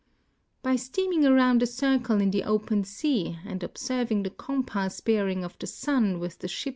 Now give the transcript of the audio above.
By steaming around a circle in the open sea and observing the compass ])earing of the sun with theship'.